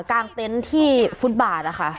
้างเตนท์ที่ฟุนบาตนะคะ